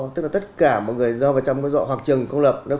tức là tất cả mọi người do vào trong cái dọa học trường công lập